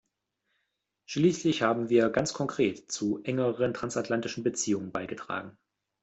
Schließlich haben wir ganz konkret zu engeren transatlantischen Beziehungen beigetragen.